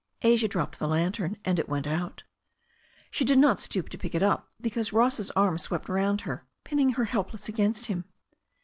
Asia dropped the lantern, and it went out. She did not stoop to pick it up because Ross's arm swept rotmd her, pinning her helpless against him.